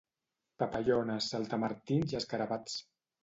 Papallones, saltamartins i escarabats.